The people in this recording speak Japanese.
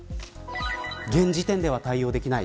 現時点では対応できない。